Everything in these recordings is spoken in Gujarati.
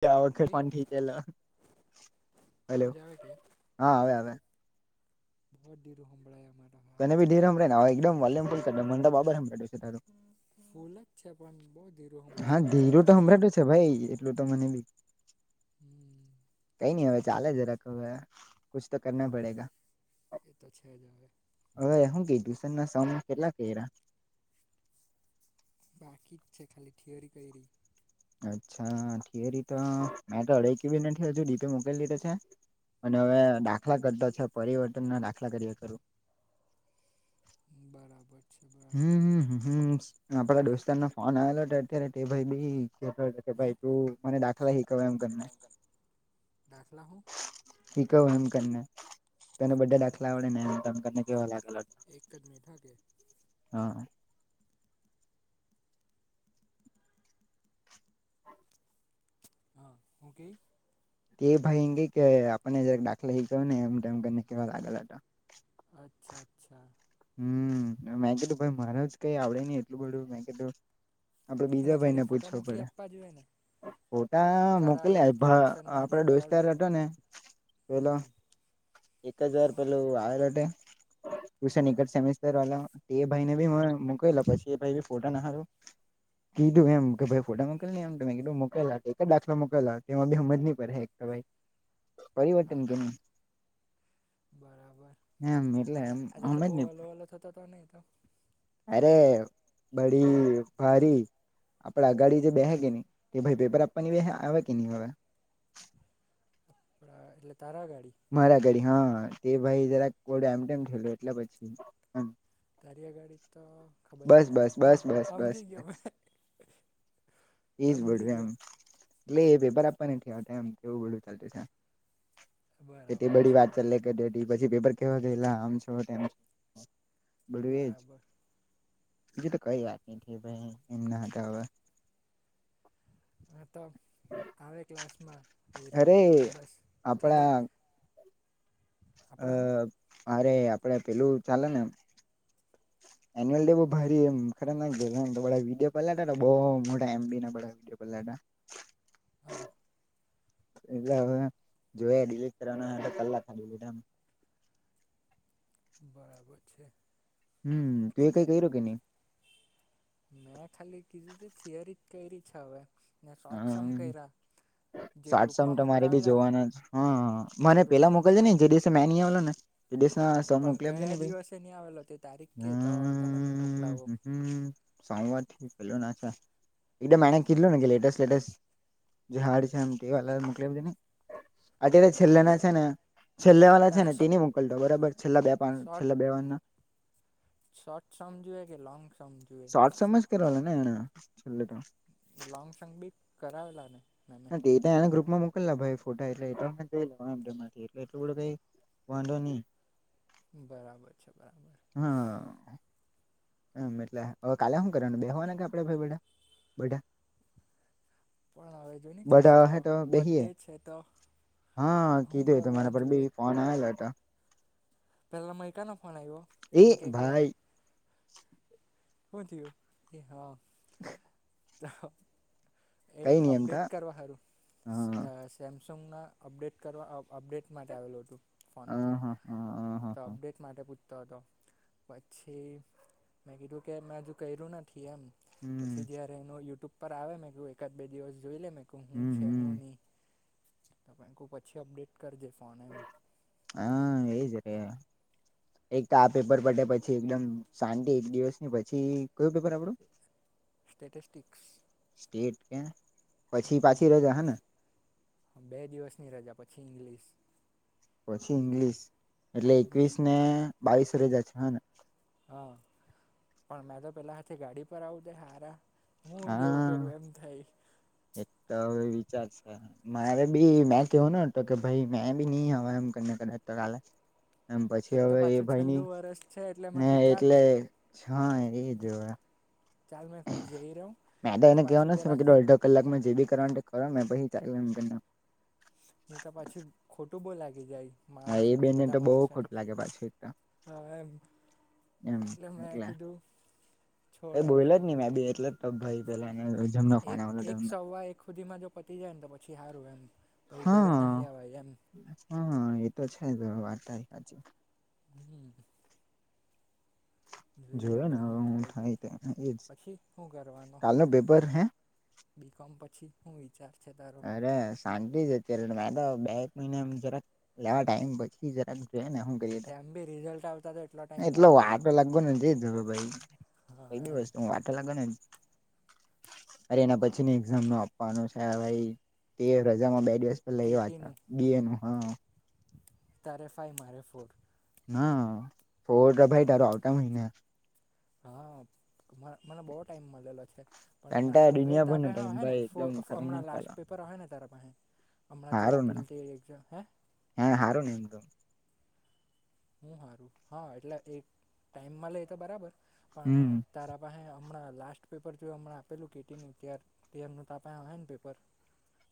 તે વખતે પણ ખીચેલો હેલો! અવાજ હા આવે આવે બહુત ધીરુ સંભળાય. તને હારા બી ધીરુ સંભળાય ને, આવેહ એકદમ વોલ્યુમ ફૂલ કરી દે મને તો બરાબર સંભળાય. ફૂલ જ છે પણ બહ જ હા ધીરું તો હમણાં તું છે. ભાઈ એ તો મને બી હમ કઈ નઈ હવે ચાલે બરાબર જરાક હવે, કછ તો છે કરના પડેગા. એ તો છે જ હવે હવે હું કીધું ટ્યુશનના સમ કેટલા કર્યા? બાકી જ છે ખાલી થિયરી કરી. અચ્છા, થિયરી તો મેં તો અડઈ કી નથી હજુ ડીપી મોકલી તો છે, અને હવે દાખલા કરતા છે પરિવર્તન ના દાખલા કર્યા ખરું. બરાબર. છે બરાબર હમ હમ હમ પેલા દોસ્તાર નો ફોન આવેલો તે ભાઈ બી કહેતો હતો, કે હે ભાઈ તું મને દાખલા હિકવ એમ કરને દાખલા હું હિકવ એમ કરીને. તને બે દાખલા આવડે ને એને? તેમ કરીને કેવા લાગેલો હતો. એક જ મિનિટ હા કે હા. હા હું કે? તે એ ભાઈ એન કે આપણને જરાક દાખલા હિખાવની એમ તેમ કેવા લાગેલા હતા. અચ્છા, અચ્છા. હમ, મેં કીધું ભાઈ, મારે જ કઈ આવડે ની એટલું બધું, મે કીધું. આપડે એને બીજા ભાઈ ને ખાલી ફોટા પૂછવું મોકલી પડે, આપવા જોઈએ ને ફોટા મોકલ. કરાવેલું તે ટ્યુશનમાં જે આપડા કરાવેલું દોસ્તાર તે હતો ને પેલો હમ એક જ વાર પેલું આવે તે હું હા સે હા નીકળ [unintelligible] સેસ્ટર વાલા તે ભાઈ ને બી હમ મોકલો પછી. એ ભાઈ ફોટા નાખારો, કીધું એમ કે ભ ફોટા મોકલ એમ ત કીધું મોકકેલા. એક જ દાખલા મોકલલા તેમાં બી હમજ નહી પડે એક તો કઈ પરિવર્તન હા હા કેમ બરાબર એમ એટલે એમ જ ને વાલો વાલો થતો હતો નને તો અરે બડી ભારી આપડા અગાડી જે બેસે કે નહીં, તે ભાઈ પેપર આપવાની બે આવે કે નહીં આવે? પ એલે [unintelligible] મારા ઘરે હા. તે ભાઈ જરા કોડ એમ ને એટલે પછી. તારીઅગાડી તો ખબર નહ બસ આવે બસ હા બસ બસ બસ સમજી ગયો બસ એજ સમજી બોલું એમ ગયો [inaudible] એટલે એ પેપર આપવા નથી આવતા, એમ એવું બધું ચાલતું છે. એટલી બરાબર બધી છે વાત ચાલે કેે પછી પેપર? કેવા જોઈલા આમ છો તેમ? બધુ એજ. બરાબર બીજુ તો કઈ વાત નઈ, ભાઈ એમ ના હતા, હવે. તો આવે ક્લાસમાં એય અરે તો બસ ખાલી. આપડા હું આ. અરે આપડે પેલું ચાલે ને એન્યુઅલ ડે [inaudible] ના વિડીયો પલાટ બ મોટા એમબી ના વિડીયો પલાટા [unintelligible] હા. એટલે હવે જોયા ડિલીટ કરવાના કલાક, બરાબર છે. હમ, તો એ કંઈ કર્યો કે નહીં? મેં ખાલી કીધું હતું, થિયરી કરે છે હવે. ને શોર્ટ સમ હમ, કર્યા જે સાત સમ ગ્રુપમાં તો મારે બી મોકલાવેલા ને જોવાના છે. હા, મને પેલા ગ્રુપમાં મોકલજે, મોકલેલા નઈ ને જે દિવસે મેનીહી આવેલો ને એ દિવસે. હા, સ પણ મોકલી આપજે ને કયા ભાઈ દિવસે નહી આવેલો તે તારીખ કે તો તને મેં મોકલાવો [inaudible] એકમ [inaudible] કે લેટેસ્ટ જે હાડ છેમ વા મોકલે છે ને અત્યારે છેલ્લે પણ ના છે ને છેલ્લે વાળ છે તને ને ટીની મોકલ દો બરાબર છેલ્લા બે પા શોર્ટ છેલ્લા બે વાર ના શોર્ટ સમ જોઈએ કે લોંગ સમ શોટ સમજ કર ને એને હ લંગ સંગ બી કરાવેલા ને મેમે હટ એને ગ્રુપ માં મોકલલા ભાઈ ફોટા એટલે એ ટાઈમથી એટલે એટલું કઈ વાંધો નહી બરાબર છે બરાબર હા એમ એટલે હવે કાલે શું કરવાનું બે હોવાના કે આપડે ભાઈ બા બધા પણ હવે જો ને કાલે બધા હ તો બેસીએ બર્થડે છે તો હા હું કીધું કરવા તમારા પર બી ફોન આવેલા હતા પેલામાં એક ક ન ફોન આવ્યો એ [unintelligible] કે કે ભાઈ [inaudible] શુ થયું હા [inaudible] આહ એ કઈ નઈ એમ તો અપડેટ કરવા ખારું હા સે [inaudible] સમના અપડેટ કરવા અપડેટ માટે આવેલું હતું હા ફોનમાં હા હા હા તો હા અપડેટ માટે પૂ તતો પછી મે કીધું કે મેં હજુ કર્યું નથી એમ હમ પછી ઘેરે એનો યુટ્યુબ પર આવે મેં કું એકાદ બે દિવસ જોઈ લે મે કહું હમ છેહ હમ હું ની કુ પછી અપડેટ કરજે ફોન એમ હાઆ એ જ રે એક આ પેપર પટે પછી એકદમ શાંટિ એક દિવસની પછીઈઈઈ સ્ટેથેસ્ટિક્સ સ્ટેટ કે પછી પાછી રજા હે ને હુમમ બે દિવસની રજા પછી ઇંગ્લિશ પછી ઇંગ્લિશ એટલે હમ એકવીસ ને બાવીસ ફરે જાય છે હ ને હ પણ મેં તો પેલા હાથે ગાડી પર આવું દે હારા હું જેવું હઅઅ કરું એમ થાય એક તો હવે વિ ચા છા. મારે બી મે કેહવાનો હતો કે ભાઈ મે બી ની આવા એમ કરીને કદાચ તો કાલે. એમ પછી એક તો હવે એ પાછું ભાઈની, છેલ્લું વરસ છે એટલે ને મેં કું ચાલ એટલે જ હન, એ જ હવ. ચાલ મેં કું જઈ રહું મે તો નહી એને પાછું કેવાનો છુ મે જરાક કીધું અડધો કલાકમાં જે બી કરંટ કર ને પહી તારું એમ કર નાખું. નઈ તો પછી ખોટું બઉ લાગી જાય. હા એ માણસોને બેનને તો બધા બહુ માણસોને. ખોટું લાગે પાછું એક તો હઅ એમ એટલે મેં કીધું છોડ કઈ બોલયો જ ની માં દે એટલે તો તો ભઈ પેલો એક-એક સવા એક હુધીમાં જો પતી જાય ન તો પછી હારું એમ પહી ઘરે નાહી આવાય એમ. હન, એ તો છે જ વાત તારી સાચી વાત. હમ. જોઈએ જોયો ને હવે હું થાય છે. તે એજ પછી હું કરવાનું? કાલનું પેપર હે બીકોમ પછી? હુઈ અરે શાંતિ જ અત્યારે, ને વાતા બે-એક મહિનામ જરાક લેવા ટાઈમ બચી જાય તો હેને હુ કરીએ તો. તેમ બી રિઝલ્ટ આવતા તો એટલો ટાઈમ એટલે લાગે વાર તો લાગવાની છે જ હવે ભઈ, હા કઈ બી એમ વસ્તુમ વાર તો લાગવાનીન. અરે એના પછીની એક્ઝામનું આપપાનું છે, હવે ઈ તે રજામાં બેટ ગેસ પે લઈ કેટીનું વાચા, દિવેનું. હન. તારે ફાઈ મારે ફોર [inaudible] ના ફોર દભાઈ તારું આવતા મહિને હા મને બહ ટાઈમ મળેલો છે. પણ એના તને હારું એતા દુનિયાભરનો પસે ટાઈમ આવે ને ભાઈ એકદમ હમણાં ખતરનાક લાસ્ટ પેપર આવે ને તારા પાસે હમણાં તું હારું ના આપેલી તે એક્ઝામ હે હા હારુંને. હા એટલે એક ટાઈમમાં લે તો બરાબર પણ હમ તારા પાસે? હમણાં લાસ્ટ પેપર જો હમણા આપેલું કેટી નું તો આપ ને પેપર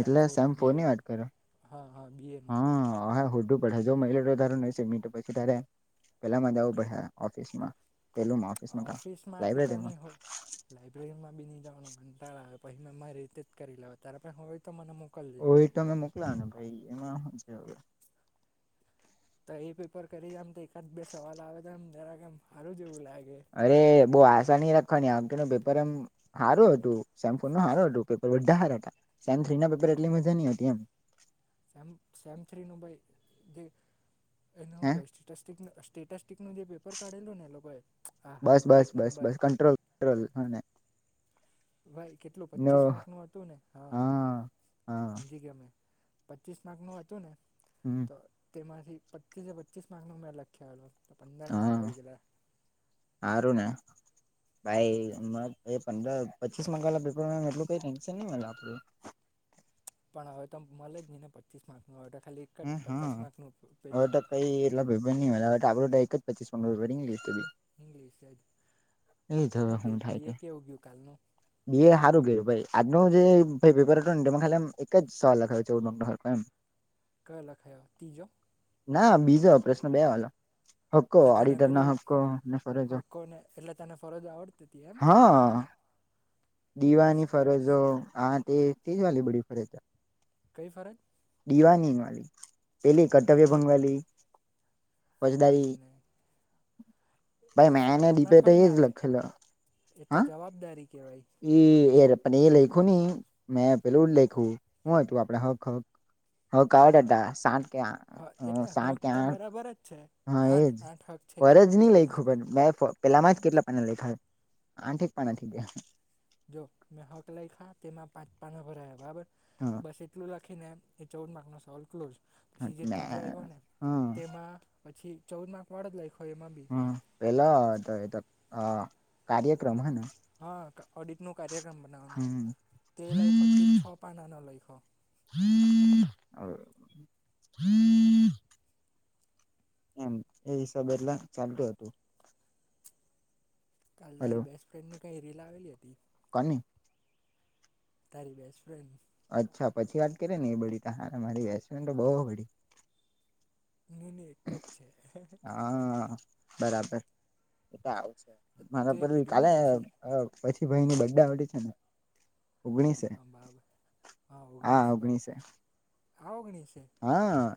એટલે સેમ ફોરનું ફોર ની બીએનું વાત હા હા બીએનું કરહા હ હોડું પડે જો મળિલો તૌ પછી તારે પેલા માં જાવું પડે ઓફિસ માં ઓફિસ માંથી તો નહી હો, લાઈબ્રેરી માં બી નઈ જવાનું. મંટાળા આવે, પછી મેં મારી રીતે જ કરી લેવા ત્યારે પણ હોય તો મને મોકલજે ઓ એ તો અમે મોકલા ને ભાઈ, એમાં એ તો એ પેપર કરી જમ તો એકાદ બે સવાલ આવે તો, એમ જરા કેમ હારું જ એવું લાગે. અરે બહુ આસા ની રાખ આનો પેપર એમ સારો હતું, સેમ ફોર નો હારો હતુ. પેપર બધા હારા હતા સેમ થ્રી ના પેપર એટલી મજા ન હતી. એમ સેમ થ્રી નું ભાઈ જે એને હું હે ટેસ્ટી ટેસ્ટીક નોતા? સેટટેસ્ટ નુ જે પેપર કાઢેલું ને, લોકોએ હ હા બસ એક બસ બસ નંબર બસ કંટ્રોલ કંટ્રોલ હને ભાઈ કેટલું નો પચીસ માર્ક નું હતું ને? હા હા સમજી ગયો અમે પચીસ માર્કનું હતું ને? હમમ તો તેમાંથી પચીસસે પચીસ માર્કનો મેં લખે આવેેલો. હા સારું ને! ભાઈ પંદર પચીસ માર્ક ના એટલું કઈ ટેન્ શન નઈ લાગતું. પણ હવે તો મળે જ ને પચીસ માર્ક નો ઓર્ડર. હમ હા હવે તો કઈ એટલા ભઈબંધ નહી. હવે આપડું તો એક જ પચીસ રીિ્શ [inaudible] ઇંગ્લિશ જ [unintelligible] એ હવે હું કે શું થાય બીએ તો? કેવું ગયું કાલનું બે એ સારું કર્યું ભાઈ! આજનો જે ભાઈ પેપર હતોને એમા ખાલી એક જ સોવાલ લખાવે છે. એમ કા લખાવ્યો તીજો? ના! બીજો પ્રશ્ન બે વાલો. હક્કો એટલે તને ઓડિટરના પેલું, હક્કો ને ફરજો હકોને એટલે તને ફરજો આવડતી હતી એમ? હા દીવાની સરસ ફરજો હા તે તેજ વાલી બડી [unintelligible] છે. કઈ ફરજ દીવાનીન વાલી પેલી કર્તવ્ય ભંગવાલી. નઈ નહી ભાઈ એ મેંને ફરજ ના થ ડિબેટ હોય ને એજ આવે લખેલો એ તો હા જવાબદારી. [unintelligible] કહેવાય [unintelligible] એ લેખું હી મેં પેલું જ લેખું હુંય તું આપણે હક હક હ કટ હા હતા સાત કે હા એટલે સાત હક કે તો આઠ બરાબર જ છે હા આઠ એજ આઠ હક છે ફરજ નહી લઈ ખબર મે પેલામાં જ કેટલા પાના લેખા આઠક પાનાથી ગયા. જો મેં હક લઈ ખા તેમાં પાંચ પાનો ભરાયા બરાબર ગયા બસ એટલું લખ ખીને એ [unintelligible] નો સવલ ક્લોઝ પછી જે મે તીજો આવ્યો ને હમ તેમાં પછી ચૌદ [unintelligible] હમ પેલા તો એ તો અ કાર્યક્રમ [unintelligible] હા ઓડિટ નું કાર્યક્રમ બનાવાનું તે લાયખો તે છ પાના ન [unintelligible] [unintelligible] એમ એ હિસાબે એટલા ચાલતું હતું. કાલ તારી બેસ્ટ ફ્રેન્ડની. કૈરી લાવલી હતી. કની તારી બેસ્ટ ફ્રેન્ડ અચ્છા પછી વાત કરીએ ને એ બ હ મારી વસ તો બહ બડી. મુની એક જ છે. હા બરાબર [unintelligible] આવ મારા તે [unintelligible] કીધું ને પછી ભાઈની [unintelligible] છે, ને ઓગણીસ હા બાબ હા ઓગણીસ બાબ [unintelligible] [unintelligible] હા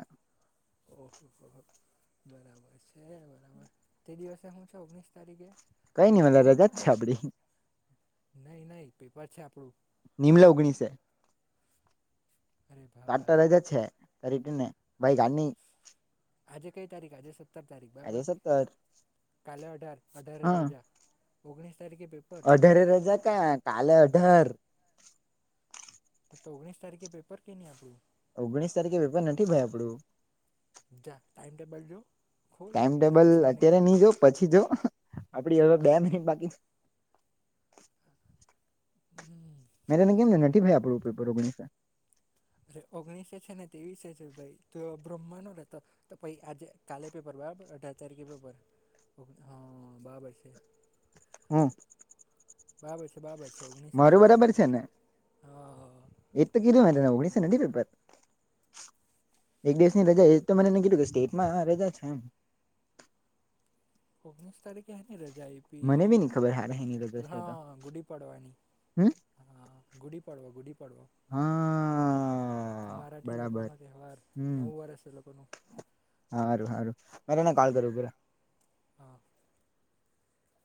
[unintelligible] બરાબર છે, બરાબર તે દિવસે હું છે, ઓગણીસ તારીખે. કઈ [unintelligible] રજા જ છે, આપડી. નઈ નહી પેપર છે, આપડું નિમલા ઓગણીસ અરે આજ ત ભાઈ રાજા ચ છે ઓ- કરીટીને. ભાઈ ગા ની. આજે કઈ તારીખ આજે સ સતર તારીખ બરાબર સત્તર કાલે અઢાર અઢારે હા રાજા. ઓગણીસ તારીખે પેપર અઢારે રજા ક કાલે ઘર તો ઓગણીસ તારીખે પેપર કે નહીં આપણું. ઓગણીસ તારીખે વેપર નથી ભાઈ આપડું. જા ટાઈમ ટેબલ જો. ખોલ ને ટાઈમટેબલ પછી મને કે અત્યારે નઈ જો પછી જો. આપડી હ બે મિનિટ બાકી છે. હમ મેં તને કેમ ન નથી ભાઈ આપણું પેપર ઓગનીસ એ. અરે ઓગણીસે છે, ને તવીસે છે ભાઈ બ્રહ્મા ન ર તો પ આજે કાલે પેપર બરાબર અઢાર તારીખે પેપર હા બરાબર છે. હા. બરાબર છે બારાબર છે. ઓગણીસની મારું રજા બરાબર છે ને, હા એ તો કીધું તને ઓગણીસો નથી પેપર. એક દેશની રજા એ તો મને ન કીધું કે સ્ટેટમાં રજા છે એમ. ઓગણીસ તારીખે હેની રજા મને બી નઈ ખબર હારા હેની લગો આઇપી છે તો હા ગુડી પાડવા. હમ ગુડી પડવા ગુડી હા મરાઠી લોકો બરાબર નો તહેવાર હમ નવુ વરસ. હારું હારું. મેરે ને કાલ કરું [unintelligible] હા